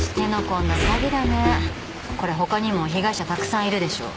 これ他にも被害者たくさんいるでしょ。